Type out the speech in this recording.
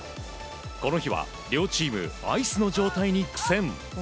この日は、両チームアイスの状態に苦戦。